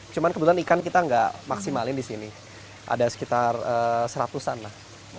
cuma kebetulan ikan kita nggak maksimalin di sini ada sekitar seratus an lah